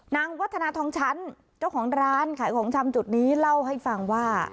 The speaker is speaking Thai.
วัฒนาทองชั้นเจ้าของร้านขายของชำจุดนี้เล่าให้ฟังว่า